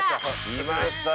きましたよ。